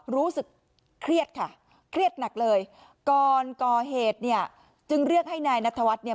รู้สึกเครียดค่ะเครียดหนักเลยก่อนก่อเหตุเนี่ยจึงเรียกให้นายนัทวัฒน์เนี่ย